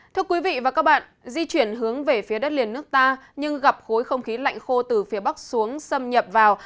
thưa quý vị và các bạn di chuyển hướng về phía đất liền nước ta nhưng gặp khối không khí lạnh khô từ phía bắc xuống xâm nhập vào